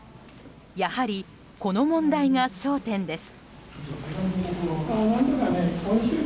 やはりこの問題が焦点です。